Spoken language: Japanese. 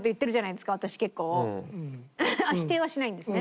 否定はしないんですね。